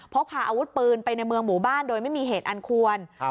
พกพาอาวุธปืนไปในเมืองหมู่บ้านโดยไม่มีเหตุอันควร